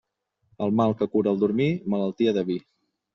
El mal que cura el dormir, malaltia de vi.